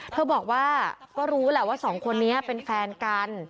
เธอบอกว่าก็รู้แหละว่าสองคนนี้เป็นแฟนกัน